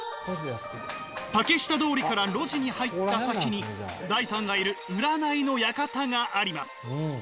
竹下通りから路地に入った先にダイさんがいる占いの館があります。